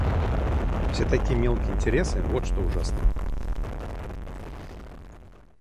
Все такие мелкие интересы, вот что ужасно!